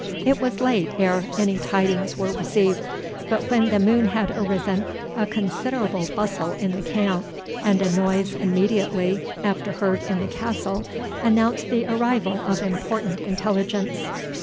It was late ere any tidings were received; but when the moon had arisen, a considerable bustle in the camp, and a noise immediately after heard in the castle, announced the arrival of important intelligence.